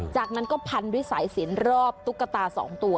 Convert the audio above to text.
จากนั้นก็พันด้วยสายสินรอบตุ๊กตา๒ตัว